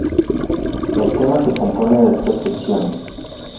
El tema se compone de tres secciones.